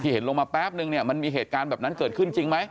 เห็นลงมาแป๊บนึงเนี่ยมันมีเหตุการณ์แบบนั้นเกิดขึ้นจริงไหม